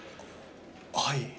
はい。